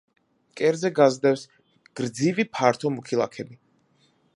მკერდზე გასდევს გრძივი ფართო მუქი ლაქები.